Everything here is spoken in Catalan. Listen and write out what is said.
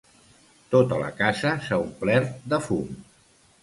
Tota la casa s'ha omplert de fum.